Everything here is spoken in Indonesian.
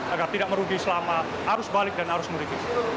agar tidak merugi selama arus balik dan arus mudik